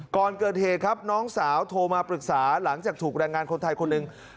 ก่อนเกิดเหตุครับน้องสาวโทรมาปรึกษาหลังจากถูกแรงงานคนไทยคนหนึ่ง